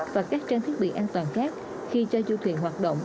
và các trang thiết bị an toàn khác khi cho du thuyền hoạt động